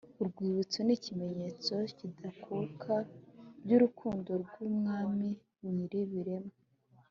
urwibutso n'ikimenyetso kidakuka by' Urukundo rw'Umwami Nyiribiremwa